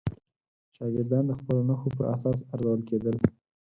شاګردان د خپلو نښو پر اساس ارزول کېدل.